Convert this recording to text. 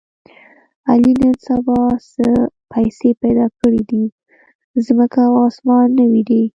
علي نن سبا څه پیسې پیدا کړې دي، ځمکه او اسمان نه ویني.